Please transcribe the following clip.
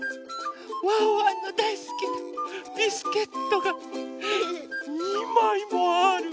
ワンワンのだいすきなビスケットが２まいもある！